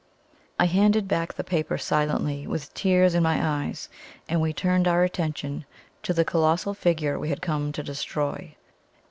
I handed back the paper silently, with tears in my eyes, and we turned our attention to the colossal figure we had come to destroy.